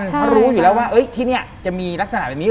ใช่เพราะรู้อยู่แล้วว่าเอ้ยที่เนี้ยจะมีลักษณะแบบนี้